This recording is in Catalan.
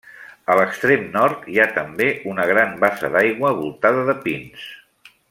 A l'extrem nord hi ha també una gran bassa d'aigua voltada de pins.